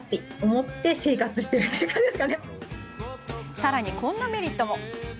さらに、こんなメリットも。